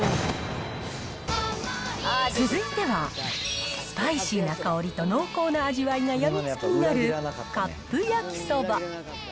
続いては、スパイシーな香りと濃厚な味わいが病みつきになるカップ焼きそば。